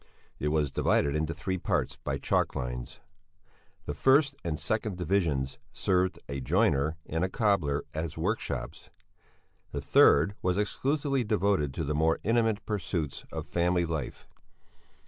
It was divided into three parts by chalk lines. The first and second divisions served a joiner and a cobbler as workshops; the third was exclusively devoted to the more intimate pursuits of family life.